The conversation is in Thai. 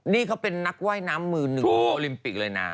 นี่เขาเป็นนักว่ายน้ำมือ๑โอลิมปิกเลยนะ